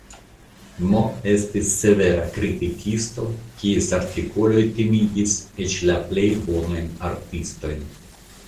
M. estis severa kritikisto, kies artikoloj timigis eĉ la plej bonajn artistojn.